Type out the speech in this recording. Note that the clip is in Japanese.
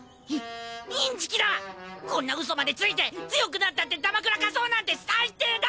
こんな嘘までついて強くなったってだまくらかそうなんて最低だ！